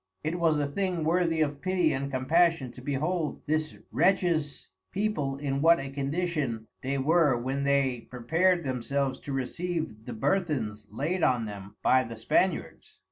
It was a thing worthy of pity and compassion to behold this wretches people in what a condition they were when they prepared themselves to receive the burthens laid on them by the Spaniards.